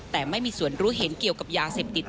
แต่ไม่มีส่วนรู้เห็นเกี่ยวกับยาเสพติด